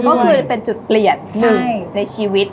ก็คือเป็นจุดเปลี่ยนหนึ่งในชีวิต